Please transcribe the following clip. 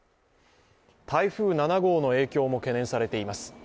台風７号の影響も懸念されています